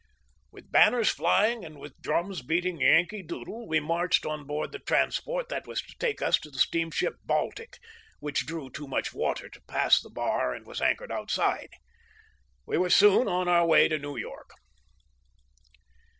With banners flying, and with drums beating "Yankee Doodle," we marched on board the transport that was to take us to the steamship Baltic, which drew too much water to pass the bar and was anchored outside. We were soon on our way to New York.